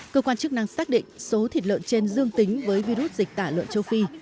cơ quan chức năng xác định số thịt lợn trên dương tính với virus dịch tả lợn châu phi